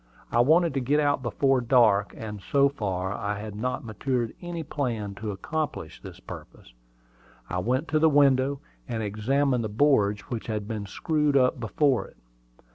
I wanted to get out before dark; and so far, I had not matured any plan to accomplish this purpose. I went to the window, and examined the boards which had been screwed up before it.